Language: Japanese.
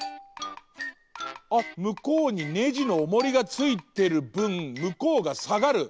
あっむこうにネジのおもりがついてるぶんむこうがさがる！